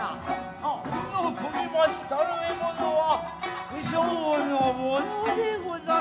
あっ鵜の獲りましたる獲物は鵜匠のものでござりまする。